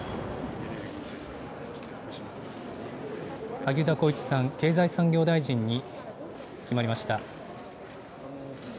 萩生田光一さん、経済産業大臣に決まりました。